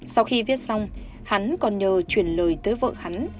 sau khi viết xong hắn còn nhờ chuyển lời tới vợ hắn